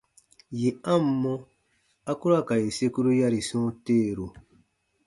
Yè a ǹ mɔ, a ku ra ka yè sekuru yari sɔ̃ɔ teeru.